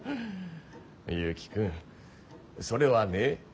結城君それはね